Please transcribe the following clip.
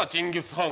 ハン！